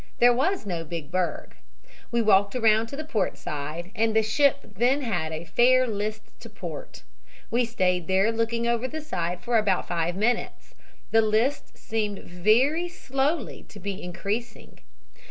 There was no big berg. We walked around to the port side, and the ship had then a fair list to port. We stayed there looking over the side for about five minutes. The list seemed very slowly to be increasing.